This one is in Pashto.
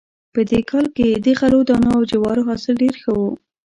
په دې کال کې د غلو دانو او جوارو حاصل ډېر ښه و